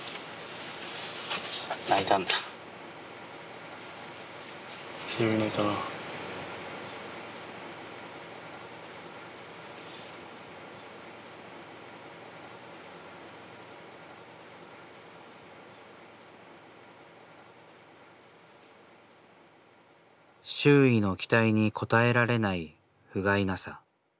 周囲の期待に応えられないふがいなさ。